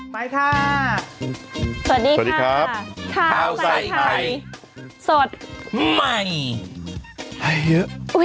ไปค่ะสวัสดีค่ะข้าวใส่ไข่สดใหม่ให้เยอะ